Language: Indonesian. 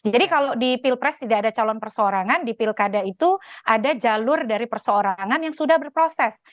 jadi kalau di pilpres tidak ada calon perseorangan di pilkada itu ada jalur dari perseorangan yang sudah berproses